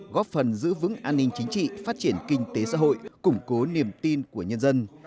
góp phần giữ vững an ninh chính trị phát triển kinh tế xã hội củng cố niềm tin của nhân dân